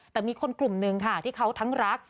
แต่มีคนกลุ่มหนึ่งค่ะที่เขาทั้งรัก